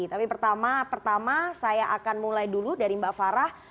tapi pertama pertama saya akan mulai dulu dari mbak farah